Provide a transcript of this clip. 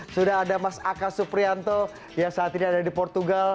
sudah ada mas aka suprianto yang saat ini ada di portugal